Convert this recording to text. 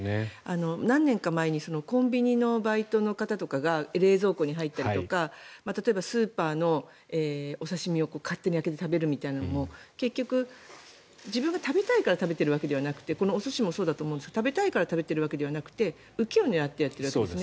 何年か前にコンビニのバイトの方とかが冷蔵庫に入ったりだとかスーパーのお刺し身を勝手に開けて食べるみたいなのも結局自分が食べたいから食べているわけじゃなくてこの寿司もそうだと思いますが食べたいから食べているわけではなくてウケを狙ってやっているわけですね。